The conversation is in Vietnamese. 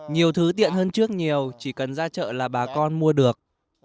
nhiều thứ tiện hơn trước nhiều chỉ cần ra chợ là bà con mua được